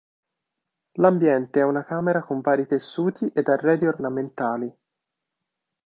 L'ambiente è una camera con vari tessuti ed arredi ornamentali.